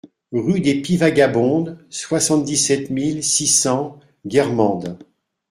Rue des Pies Vagabondes, soixante-dix-sept mille six cents Guermantes